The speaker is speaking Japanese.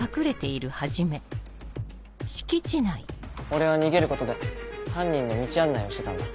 俺は逃げることで犯人の道案内をしてたんだ。